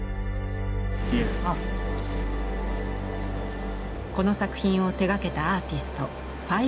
この作品を手がけたアーティストファイグ・アフメッドさん。